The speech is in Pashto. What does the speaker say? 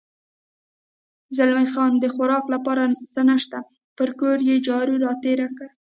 زلمی خان: د خوراک لپاره څه نشته، پر کور یې جارو را تېر کړی.